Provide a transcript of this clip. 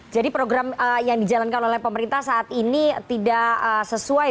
jadi program yang dijalankan oleh pemerintah saat ini tidak sesuai